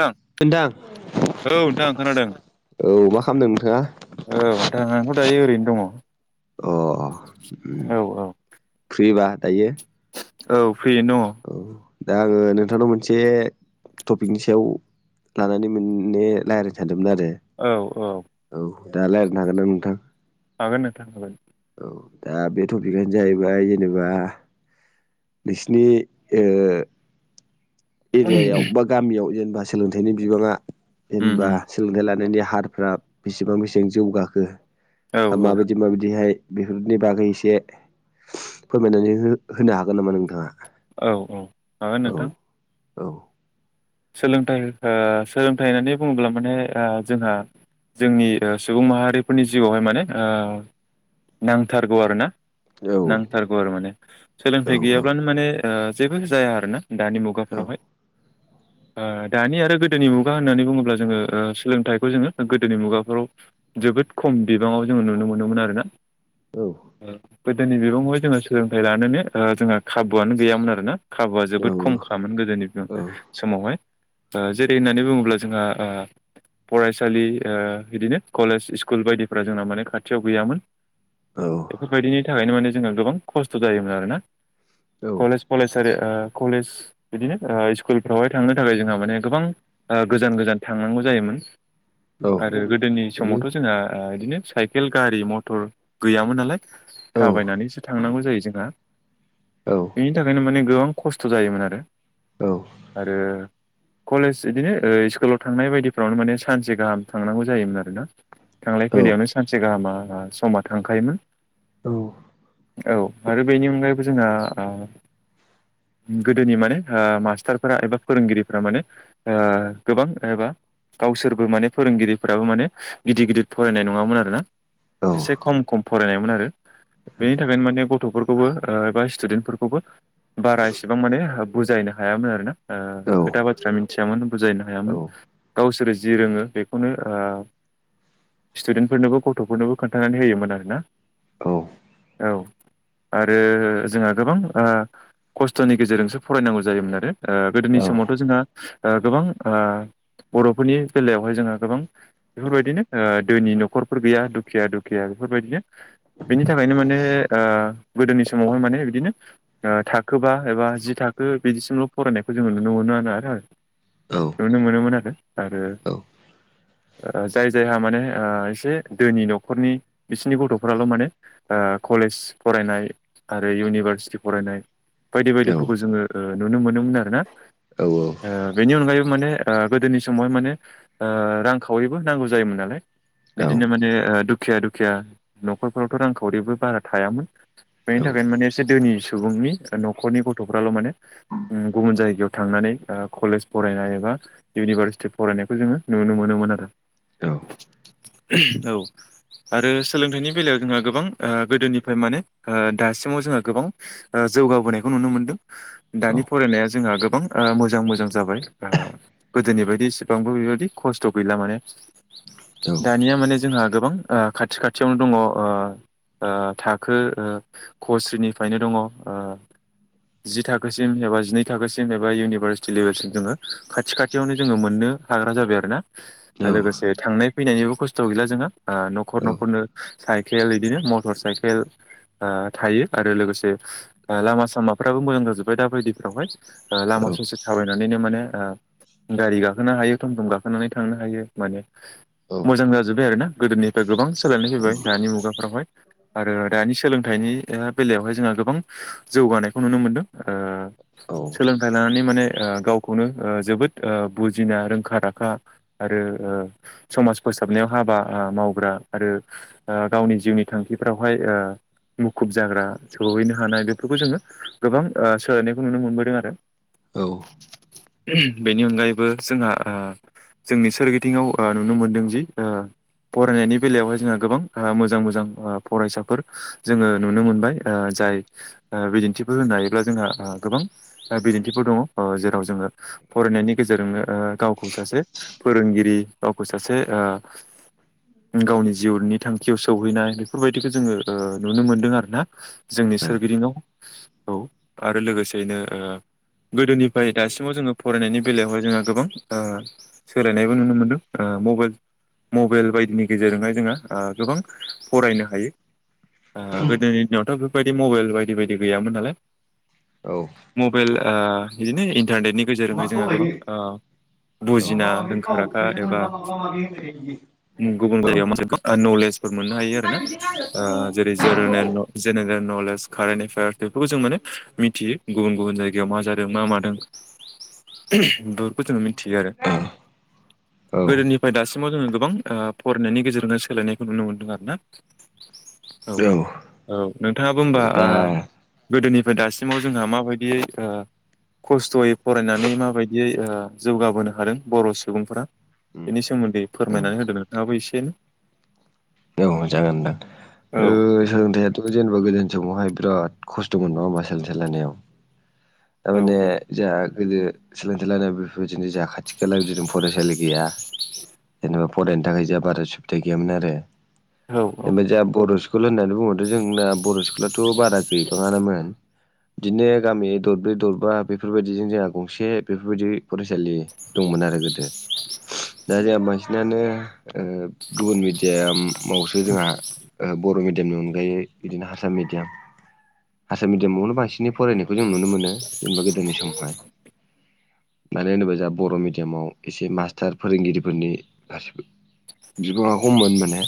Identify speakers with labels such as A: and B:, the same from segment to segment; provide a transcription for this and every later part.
A: नोंथां
B: नोंथां।
A: औ नोंथां खोनादों
B: औ मा खालामदों नोंथाङा
A: औ नोंथां आंथ' दायो ओरैनो दङ।
B: अ उम
A: औ
B: फ्रिबा दायो?
A: औ फ्रियैनो दङ।
B: औ दा आङो नोंथांनाव मोनसे टपिकनि सायाव लानानै मोने लायरायथार दोमोन आरोे औ दा लायरायनो हागोन ना नोंथां?
A: हागोन नोंथां हागोन।
B: औ दा बे टपिकआनो जाहैबाय जेनेबा नोंसिनि ओ एरियायाव बा गामियाव जेनेबा सोलोंथाइनि बिबाङा
A: उम
B: जेनेबा
A: उम
B: सोलोंथाइ लानायनिआ हारफ्रा बेसेबां बेसेबां जौगाखो
A: औ औ
B: माबायदि माबायदिहाय बेफोरनि बागै एसे फोरमायनानै होनो हागोन नामा नोंथाङा?
A: औ औ हागोन नोंथां।
B: औ।
A: सोलोंथाइ ओ सोलोंथाइ होननानै बुङोब्ला माने ओ जोंहा जोंनि ओ सुबुं माहारिफोरनि जिउआवहाय माने ओ नांथारगौ आरोना।
B: औ औ
A: नांथारगौ आरो माने
B: औ
A: सोलोंथाइ गैयाब्लानो माने ओ जेबो जाया आरो ना। दानि मुगाफ्रावहाय ओ दानि आरो गोदोनि मुगा होननानै बुङोब्ला जोङो ओ सोलोंथाइखौ जोङो गोदोनि मुगाफ्राव जोबोद खम बिबाङाव जोङो नुनो मोनोमोन आरो ना। गोदोनि बिबङावाय जोङो सोलोंथाइ लानोनो जोंहा खाबुआनो गैयामोन आरोना। खाबुआ
B: औ
A: जोबोद खमखायामोन गोदोनि समावहाय। ओ जेरै होननानै बुङोब्ला जोंहा ओ फरायसालि ओ बिदिनो कलेज स्कुल बायदिफोरा जोंना माने खाथियाव गैयामोन।
B: औ
A: बेफोरबायदिनि थाखायनो माने जोंहा गोबां खस्थ' जायोमोन आरोना।
B: औ
A: कलेज फरायसालि कलेज बिदिनो स्कुलफ्रावहाय थांनो थाखाय जोंहा माने गोबां गोजान गोजान थांनांगौ जायोमोन।
B: औ
A: आरो गोदोनि
B: गोरलै
A: समावथ' जोंहा बिदिनो साइकेल गारि मथर गैयामोन नालाय।
B: औ
A: थाबायनानैसो थांनांगौ जायो जोंहा।
B: औ
A: बेनि थाखायनो माने गोबां खस्थ' जायोमोन आरो
B: औ
A: आरो
B: [inaudible]
A: कलेज इदिनो स्कुलाव थांनाय बायदिफ्रावनो माने सानसे गाहाम थांनांगौ जायोमोन आरो ना। थांलाय फैलायावनो सानसे गाहामा समा थांखायोमोन।
B: औ
A: औ आरो बेनि अनगायैबो जोंहा आ गोदोनि माने आ मास्टारफोरा एबा फोरोंगिरि फोर माने आ गोबां एबा गावसोरबो माने फोरोंगिरिफोराबो माने गिदिर गिदिर फरायनाय नङामोन आरोना एसे खम खम फरायनायमोन आरो बेनि थाखायनो माने गथ'फोरखौबो एबा स्टुडेन्टफोरखौबो बारा एसेबां माने बुजायनाय हायामोन आरोना ओ खोथा बाथ्रा मिथियामोन बुजायनो हायामोन गावसोरो जि रोङो बेखौनो ओ स्टुदेन्टफोरनोबो गथ'फोरनोबो खोन्थानानै होयोमोन आरोना
B: औ
A: औ आरो जोंहा गोबां आ खस्थ'नि गेजेरजोंसो फरायनांगौ जायोमोन आरो ओ गोदोनि समाव थ' जोंङो आ गोबां आ बर'फोरनि बेलायावहाय जोङो गोबां बेफोरबायदिनो आ दोनि न'खरफोर गैया दुखिया दुखिया बेफोरबायदिनो बेनि थाखायनो माने आ गोदोनि समावहाय माने बिदिनो आ थाखोबा एबा जि था खो बिदिसिमल' फरायनायखौ जोङो नुनो मोनोन आरो नुनो मोनोमोन आरो आरो
B: [inaudible]
A: जाय जायहा माने आ एसे दोनि न'खरनि बिसिनि गथ'फोराल' मानेे आ कलेज फरायनाय आरो इउनिभारसिटि फरायनाय बायदि
B: औ
A: बायदिफोरखौ जोङो नुनो मोनोमोन आरोना आ बेनि अनगायैबो माने आ गोदोनि समावहाय माने रांखाविबो नांगौ जायोमोन नालाय बिदिनो माने दुखिया दुखिया न'खरफोरावथ' रांखावरिबो बारा थायामोन बेनि थाखायनो माने एसे दोनि सुबुंनि न'खरनि गथ'फ्राल' माने गुबुन जायगायाव थांनानै कलेज फरायनाय एबा इउनिभारसिटि फरायनायखौ जोङो नुनो मोनोमोन आरो
B: औ
A: औ आरो सोलोंथाइनि बेलायाव जोंहा गोबां आ गोदोनिफ्राय माने आ दासिमाव जोंहा गोबां ओ जौगाबोनायखौ नुनो मोन्दों दानि फरायनाया जोंहा गोबां मोजां मोजां मोजां जाबाय गोदोनि बायदि इसिबांबो बेबायदि खस्थ' गैला माने दानिया माने जोंहा गोबां आ खाथि खाथियावनो दङो। आ थाखो खस्रिनिफ्रायनो दङो। जि थाखोसिम एबा जिनै थाखोसिम एबा इउनिभारसिटि [unintelligible] जोङो खाथि खाथियावनो जोङो मोननो हाग्रा जाबाय आरो ना दा लोगोसे थांनाय फैनायनि जेबो खस्थ' गैला जोङो आ न'खर न'खरनो साइकेल बिदिनो मटर साइकेल आ थायो आरो लोगोसे लामा सामाफ्राबो मोजां जाजोब्बाय दा बायदिफ्रावहाय आ लामा ससे थाबायनानैनो माने गारि गाखोनो हायो थम थम गाखोनानै थांनो हायो माने मोजां जाजोब्बाय आरो ना गोदोनिफ्राय गोबां सोलायनाय फैबाय दानि मुगाफोरावहाय आरो दानि सोलोंथाइनि बेलायावहाय जोंहा गोबां जौगानायखौ नुनो मोनदों आ सोलोंथाइ लानानै माने आ गावखौनो जोबोद आ बुजिना रोंखा राखा आरो समाज फोसाबनायाव हाबा आ मावग्रा आरो आ गावनि जिउनि थांखिफ्रावहाय ओ मुखुब जाग्रा सहैनो हानाय बेफोरखौ जोङो गोबां आ सोलायनायखौ नुनो मोनबोदों आरो
B: औ
A: बेनि अनगायैबो जोंहा आ जोंनि सोरगिदिवाव ओ नुनो मोनदों जि ओ फरायनायनि बेलायावहाय जोंहा गोबां आ मोजां मोजां आ फरायसाफोर जोङो नुनो मोनबाय आ जाय आ बिदिन्थिफोर होनो हायोब्ला जोंहा आं गोबां बिदिन्थिफोर दङो। जेराव जोङो फरायनायनि गेजेरजोंनो ओ गावखौ सासे फोरोंगिरि गावखौ सासे आ गावनि जिउनि थां खियाव सौहैनाय बेफोरबायदिखौ जोङो ओ नुनो मोन्दों आर ना जोंनि सोरगिदिंयाव। औ आरो लोगोसेयैनो ओ गोदोनिफ्राय दासिमाव जोङो फरायनायनि बेलायावहाय जोंहा गोबां ओ सोलायनायबो नुनो मोनदों मबाइल मबाइल बायदिनि गेजेरजोंहाय जोङो गोबां फरायनो हायो। ओ गोदोनि दिनावथ' बेफोरबायदि मबाइल बायदि बायदि गैयामोन नालाय।
B: औ।
A: मबाइल ओ बिदिनो इन्टारनेटनि गेजेरजोंहाय
B: थाव
A: जोङो गोबां
B: लायो
A: ओ बुजिना
B: माबा माबि
A: रोंखा
B: थाव
A: राखा
B: फैसा
A: एबा
B: मोनबा माबा माबि होबाय थायो
A: गुबुन
B: बियो औ
A: जायगायाव मोनसे नलेजफोर मोननो हायो आरो ना
B: नागिरदों
A: जेरै ज
B: आङो
A: जेनेरेल नलेज। कारेन्ट एफियार बेफोरखौ जों मोने मिथियो गुबुन गुबुन जायगायाव मा जा दों मा मादों। बेफोरखौ जोङो मिथियो आरो
B: औ
A: गोदोनिफ्राय दासिमाव जोङो गोबां ओ फरायनायनि गेजेरजोंनो सोलायनायखौ नुनो मोनदों आरो ना। औ औ नोंथाङा बुंबा ओ
B: दा
A: गोदोनि फ्राय दासिमाव जोंहा माबायदियै ओ खस्थ'यै फरायनानै माबायदियै ओ जौगाबोनो हादों बर' सुबुंफोरा बेनि
B: औ
A: सोमोन्दै
B: औ
A: फोरमायनानै होदो नोंथाङाबो एसेनो।
B: औ जागोन नोंदां ओ सोलोंथाइथ' जेनेबा गोदो समावहाय बिराद खस्थ'मोन नङा होमबा सोलोंथाइ लायानायाव
A: औ
B: थारमाने जोंहा गोदो सोलोंथाइ लानाय बेफोरबायदिनो जा खाथि खालाव बिदिनो फरायसालि गैया। जेनेबा फरायनो थाखाय जोंहा बारा सुबिदा गैयामोन आरो
A: औ
B: जेनेबा जोंहा बर' स्कुल होननानै बुंबाथ' जोंना बर' स्कुलाथ' बारा गैबाङानामोन। बिदिनो गामियै दरब्रै दरबा बेफोरबायदिजों जोंहा गंसे बेफोरबायदि फरायसालि दंमोन आरो गोदो दा जोंहा बांसिनानो ओ गुबुन मिडियाम आवसो जोंहा ओ बर' मिडियामनि अनगायै बिदिनो हारसा मिडियाम हारसा मिडियामावनो बांसिनै फरायनायखौ जों नुनो मोनो जेनेबा गोदोनि समावहाय। मानो होनोब्ला जोंहा बर' मिडियामाव एसे मास्टार फोरोंगिरिफोरनि फारसेबो बिबाङा खममोन माने।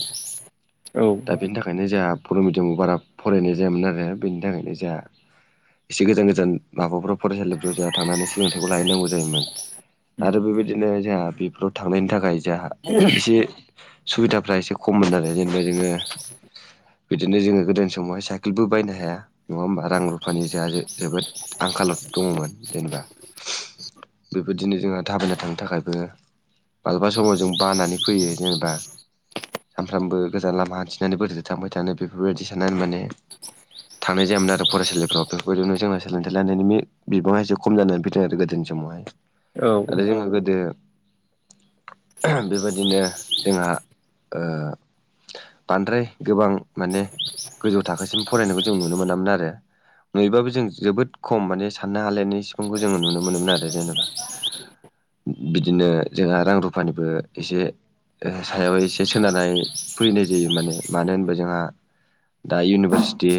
A: औ
B: दा बेनि थाखायनो जोंहा बर' मिडियामाव बारा फरायनाय जायामोन आरो बेनि थाखायनो जोंहा एसे गोजान गोजान माबाफ्राव फरायसालिफ्राव जोंहा थांनानै सोलोंथाइखौ लाहैनांगौ जायोमोन। आरो बेबायदिनो जोंहा बेफोराव थांनायनि थाखाय जोंहा एसे सुबिदाफ्रा एसे खममोन आरो जेनेबा जोङो बिदिनो जोङो गोदो समावहाय साइकेलबो बायनो हाया नङा होमबा रां रुफानि जा जोबोद आं खालाव दङमोन जेनेबा बेबादिनो जोंहा थाबायना थांनो थाखायबो मालाबा समाव जों बानानै फैयो जेनेबा। सानफ्रामबो गोजान लामा हान्थिनानै बोरैथो थांबाय थानो बेफोरबायदि साननानै माने। थांनाय जायामोन आरो फरायसालिफ्राव बेफोरबायदियावनो जोंना सोलोंथाइ लानायनि बिबाङा एसे खम जानानै फैदों आरो गोदोनि समावहाय
A: औ
B: आरो जोंहा गोदो बेबायदिनो जोंहा ओ बांद्राय गोबां माने गोजौ थाखोसिम फरायनायखौ जों नुनो मोनामोन आरो। नुयोबाबो जों जोबोद खम माने साननो हालायनाय सिबांखौ जोङो नुनो मोनोमोन आरो जेनेबा। बिदिनो जोंहा रां रुफानिबो एसे सायाव एस एसे सोनारनाय फैनाय जायो माने मानो होनबा जोंहा दा इउनिभारसिटि।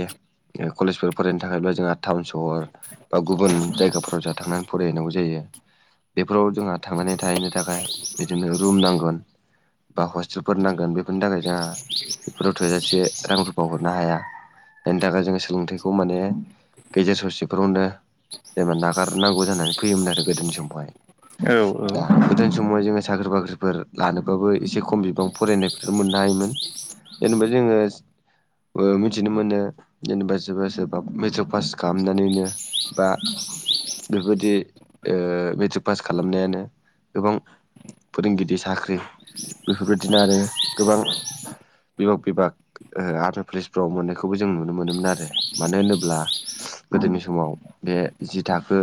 B: कलेजफोर फरायनो थाखायब्ला जोंहा टाउन सहर बा गुबुन जायगाफोराव जोंहा थांनानै फरायहैनांगौ जायो। बेफोराव जोंहा थांनानै थाहैनो थाखाय बिदिनो रुम नांगोन बा हस्टेल फोर नांगोन बेफोरनि थाखाय जोंहा बेफोराव थोजासे रां रुफा हरनो हाया। जायनि थाखाय जोङो सोलोंथाइखौ माने गेजेर ससेफोरावनो जेनेबा नागारनांगौ जानानै फैयोमोन आरो गोदोनि
A: औ
B: समावहाय दा गोदोनि समावहाय जोङो साख्रि बाख्रिफोर लानोबाबो एसे खम बिबां फरायनायफोर मोननो हायोमोन जेनेबा जोङो मिथिनो मोनो जेनेबा सोरबा सोरबा मेट्रिक पास खालामनानैनो बा बेबायदि ओ मेट्रिक पास खालामनायानो गोबां फोरोंगिरि साख्रि बेफोरबायदिनो आरो गोबां बिबाग बिभाग ओ आर्मि पुलिसफ्राव मोननायखौबो बे जि थाखो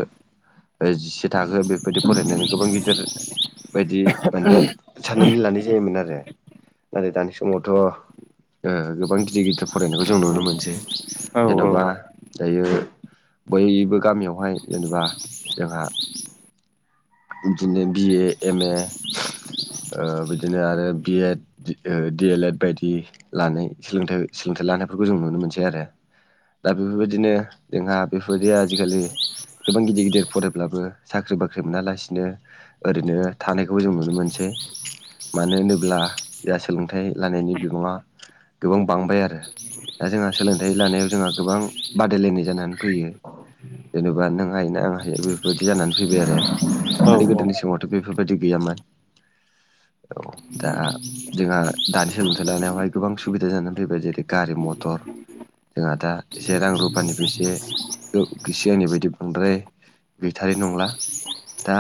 B: जिसे थाखो बेफोरबायदि फरायनानै गोबां गिदिर बायदि
A: [inaudible]
B: नानै लानाय जायोमोन आरो नाथाय दानि समावथ ओ गोबां गिदिर गिदिर फरायनायखौ जों नुनो मोनसै जेनबा दायो बयबो गामियावहाय जेनेबा जोंहा बिदिनो बिए एम ए ओ बिदिनो आरो B Ed D El Ed बायदि लानाय सोलोंथाय सोलोंथाइ लानायफोरखौ जों नुनो मोनसै आरो दा बेफोरबायदिनो जोंहा बेफोरबायदि आजिखालि गोबां गिदिर गिदिर फरायब्लाबो साख्रि बाख्रि मोनालासिनो ओरैनो थानायखौबो जों नुनो मोनसै मानो होनोब्ला जाहा सोलोंथाइ लानायनि बिबाङा गोबां बांबाय आरो दा जोंहा सोलोंथाइ लानायाव जोंहा गोबां बादायलायनाय जानानै फैयो जेनेबा नों हायोना आं हायो बेफोरबायदि जानानै फैबाय आरो आरो गोदोनि समावथ बेफोरबायदि गैयामोन औ दा जोंहा दानि सोलोंथाइ लानायावहाय गोबां सुबिदा जानानै फैबाय जेरै गारि मथर जोंहा दा एसे रां रुफानिबो एसे सि आंनि बायदि बांद्राय गैटारि नंला दा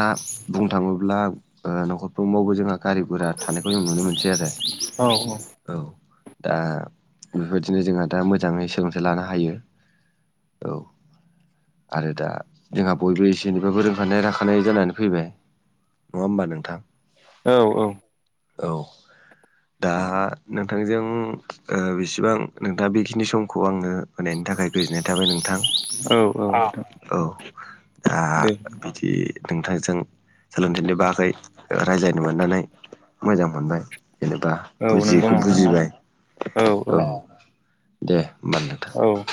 B: बुंनो थाङोब्ला ओ नखरफ्रोमवबो जोंहा गारि गुरा थानायखौ जों नुनो मोनसै आरो औ दा बेबायदिनो जोंहा दा मोजाङै सोलोंथाइ लानो हायो औ आरो दा जोंहा बयबो एसे एनैबाबो रोंखानाय राखानाय जानानै फैबाय नङा होमबा नोंथां
A: औ औ
B: औ दा नोंथांजों बेसेबां नोंथाङा बेखिनि समखौ आंङो होनाय नि थाखाय गोजोननाय थाबाय नोंथां
A: औ औ औ
B: औ
A: दे
B: बिदि नोंथांजों सोलोंथिनो बाखै रायज्लानो मोननानै मोजां मोनबाय जेनेबा
A: औ नंगौ
B: बुजियैखौ
A: नोंथां
B: बुजिबाय औ दे होनबा नोंथां
A: औ